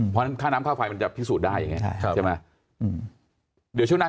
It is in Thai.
ผ่านข้าน้ำข้าวไฟมันจะพิสุทธิ์ได้จิบนะเดี๋ยวช่วงนั้น